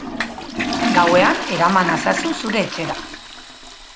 Gauean eraman nazazu zure etxera.